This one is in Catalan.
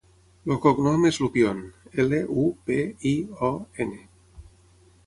El cognom és Lupion: ela, u, pe, i, o, ena.